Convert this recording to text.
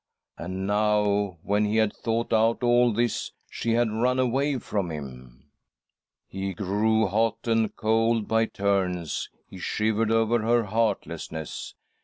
And now, when he had thought out all this, she had run away from him !" He grew hot and cold, by turns ; he shivered over her heartlessness.